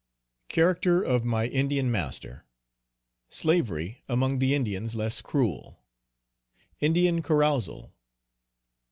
_Character of my Indian Master. Slavery among the Indians less cruel. Indian carousal.